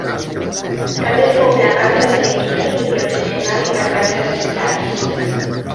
També fou la casa de l'equip semiprofessional Arkansas Stars.